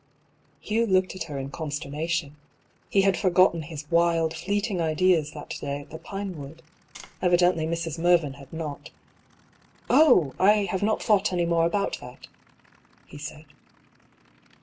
Hugh looked at her in consternation. He had for gotten his wild, fleeting ideas that day at the Pinewood. Evidently Mrs. Mervyn had not. " Oh ! I have not thought any more about that," he said.